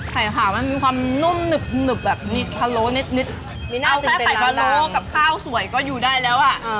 ไข่ขาวมันมีความนุ่มหนึบแบบมีพะโล้นิดเอาแค่ไข่พะโล้กับข้าวสวยก็อยู่ได้แล้วอ่ะ